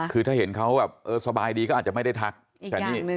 คือถ้าเห็นเขาแบบสบายดีก็อาจจะไม่ได้ทักอีกอย่างหนึ่ง